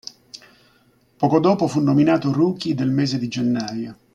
Poco dopo fu nominato Rookie del mese di gennaio.